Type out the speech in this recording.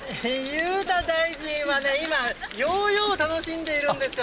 裕太大臣はね、今、ヨーヨーを楽しんでいるんですよ。